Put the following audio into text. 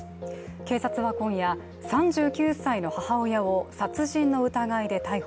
警察は今夜、３９歳の母親を殺人の疑いで逮捕。